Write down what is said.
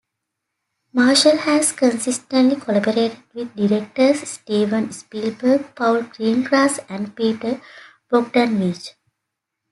Marshall has consistently collaborated with directors Steven Spielberg, Paul Greengrass and Peter Bogdanovich.